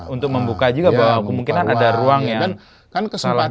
untuk membuka juga bahwa kemungkinan ada ruang yang salah dilihat